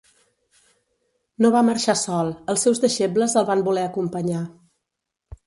No va marxar sol: els seus deixebles el van voler acompanyar.